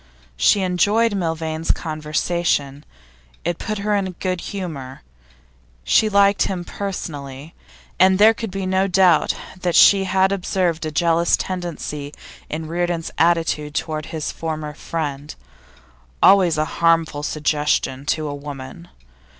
She enjoyed Milvain's conversation, it put her into a good humour; she liked him personally, and there could be no doubt that she had observed a jealous tendency in Reardon's attitude to his former friend always a harmful suggestion to a woman.